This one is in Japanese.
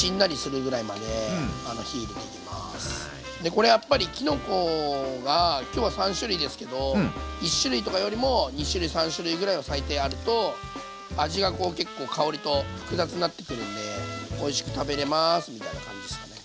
これやっぱりきのこが今日は３種類ですけど１種類とかよりも２種類３種類ぐらいは最低あると味が結構香りと複雑なってくるんでおいしく食べれますみたいな感じですかね。